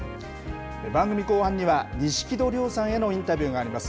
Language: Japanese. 番組後半には、錦戸亮さんへのインタビューがあります。